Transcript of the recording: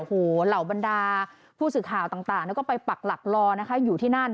หัวเหล่าบรรดาผู้สื่อข่าวต่างแล้วก็ไปปักหลักรออยู่ที่นั่น